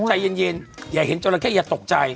ใจเย็นอย่าเห็นจราเข้อย่าตกใจ